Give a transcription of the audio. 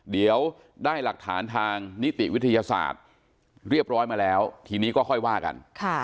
เดี๋ยวได้หลักฐานทางนิติวิทยาศาสตร์เรียบร้อยมาแล้วทีนี้ก็ค่อยว่ากัน